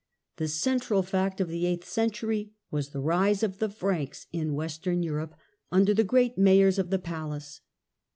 The central fact of the ■ eighth century was the rise of the Franks in Western Rise of » Europe, under the great Mayors of the Palace.